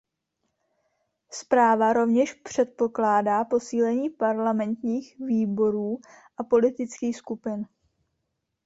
Zpráva rovněž předpokládá posílení parlamentních výborů a politických skupin.